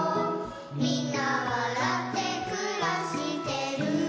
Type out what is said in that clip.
「みんなわらってくらしてる」